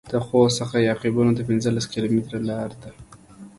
د خوست څخه يعقوبيو ته پنځلس کيلومتره لار ده.